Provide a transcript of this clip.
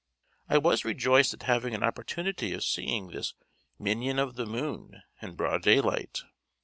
I was rejoiced at having an opportunity of seeing this "minion of the moon" in broad daylight.